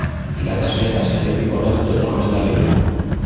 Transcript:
Irakasleak axaletik orraztu eta hona ekarri du.